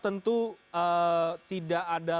tentu tidak ada